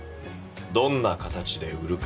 どんな形で売るか。